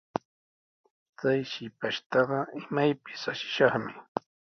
Chay shipashtaqa imaypis ashishaqmi.